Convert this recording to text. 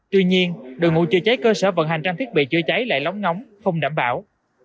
tuy nhiên đội ngũ chữa cháy cơ sở vận hành trang thiết bị chữa cháy lại lóng ngóng không đảm bảo